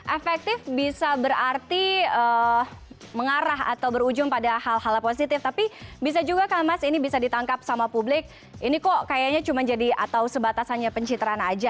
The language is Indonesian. efektif bisa berarti mengarah atau berujung pada hal hal positif tapi bisa juga kan mas ini bisa ditangkap sama publik ini kok kayaknya cuma jadi atau sebatas hanya pencitraan aja